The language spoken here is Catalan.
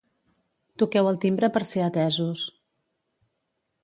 Toqueu el timbre per ser atesos